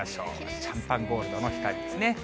シャンパンゴールドの光ですね。